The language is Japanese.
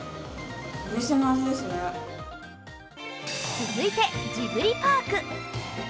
続いて、ジブリパーク。